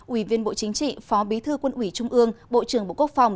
ủy viên bộ chính trị phó bí thư quân ủy trung ương bộ trưởng bộ quốc phòng